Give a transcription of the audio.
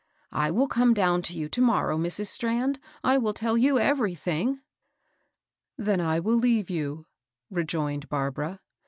^^ I will come down to you to morrow, Mrs. Strand ; I will tell you everything." ^* Then I will leave you," rejoined Barbara.